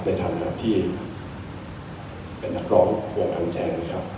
ในธรรมที่เป็นนักร้องวงอัมแชนนะครับ